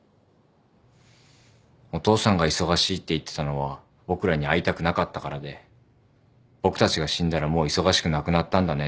「お父さんが忙しいって言ってたのは僕らに会いたくなかったからで僕たちが死んだらもう忙しくなくなったんだね」